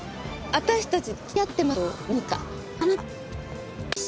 私たち付き合ってますけど何か？